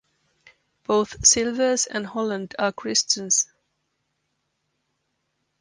Both Silvers and Holland are Christians.